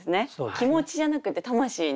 気持ちじゃなくて魂に。